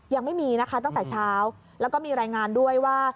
ยังไม่มีนะคะตั้งแต่เช้าแล้วก็มีรายงานด้วยว่า